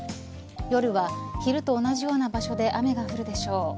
夜は昼と同じような場所で雨が降るでしょう。